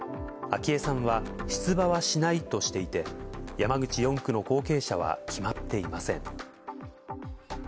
昭恵さんは出馬はしないとしていて、山口４区の後継者は決まっていません。